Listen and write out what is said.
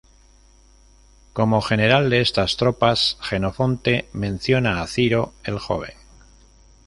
Como general de estas tropas, Jenofonte menciona a Ciro el joven.